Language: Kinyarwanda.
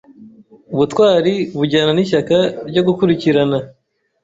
Ubutwari bujyana n’ishyaka ryo gukurikirana